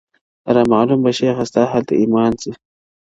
را معلوم به شیخه ستا هلته ایمان سي,